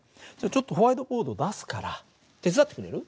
ちょっとホワイトボードを出すから手伝ってくれる？